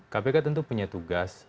kpk tentu punya tugas